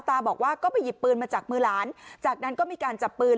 บอกว่าก็ไปหยิบปืนมาจากมือหลานจากนั้นก็มีการจับปืน